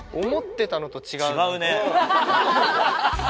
違うね。